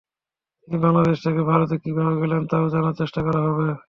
তিনি বাংলাদেশ থেকে ভারতে কীভাবে গেলেন, তাও জানার চেষ্টা করা হবে।